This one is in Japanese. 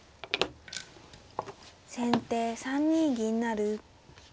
先手３二銀成。